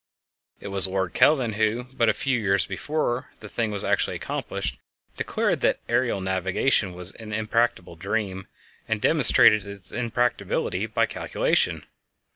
It was Lord Kelvin who, but a few years before the thing was actually accomplished, declared that aerial navigation was an impracticable dream, and demonstrated its impracticability by calculation.